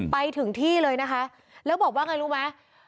ไปถึงที่เลยนะคะแล้วบอกว่าไงรู้ไหม